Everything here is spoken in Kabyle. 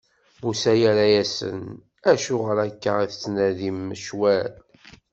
Musa yerra-asen: Acuɣer akka i tettnadim ccwal?